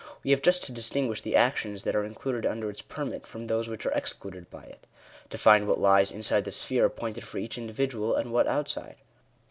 We have just to distinguish the actions that are included under its permit, from those which are excluded by it — to find what lies inside the sphere appointed for each individual, and what outside.